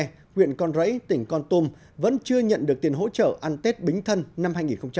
nguyện con rẫy tỉnh con tùm vẫn chưa nhận được tiền hỗ trợ ăn tết bính thân năm hai nghìn một mươi sáu